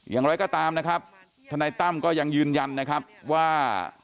อย่างไรก็ตามนะครับทนายตั้มก็ยังยืนยันนะครับว่า